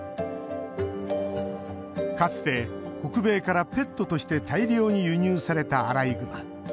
かつて北米からペットとして大量に輸入されたアライグマ。